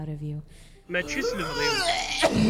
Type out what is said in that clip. Mačči s lebɣi-iw.